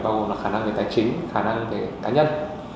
bao gồm là khả năng về tài chính khả năng về cá nhân